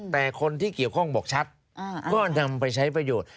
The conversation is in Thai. แต่คนที่เกี่ยวข้องบอกชัดก็นำไปใช้ประโยชน์